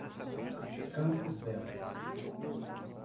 Campos Belos